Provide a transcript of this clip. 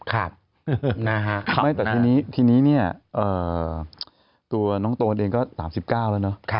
ที่นี้เนี่ยตัวน้องโปรดเองก็๓๙แล้วเนอะ